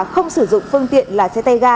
không sử dụng phương tiện là xe tay ga